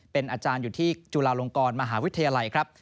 เป็นอาจารย์อยู่ที่จุฬาลงกรมหาวิทยาลัยครับ